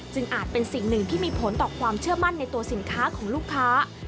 อาจเป็นสิ่งหนึ่งที่มีผลต่อความเชื่อมั่นในตัวสินค้าของลูกค้า